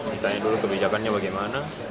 ditahan dulu kebijakannya bagaimana